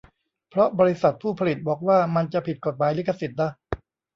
เพราะบริษัทผู้ผลิตบอกว่ามันจะผิดกฎหมายลิขสิทธิ์นะ